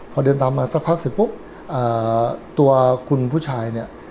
พอเดินตามมาสักพักเสร็จปุ๊บตัวคุณผู้ชายเนี่ย